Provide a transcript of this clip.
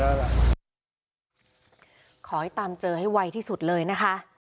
ขอให้ตามเจอให้ไวที่สุดเลยนะคะ